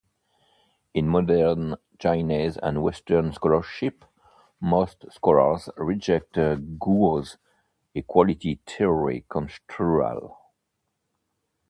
In modern Chinese and western scholarship, most scholars reject Guo's "equality theory" construal.